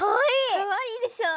かわいいでしょ。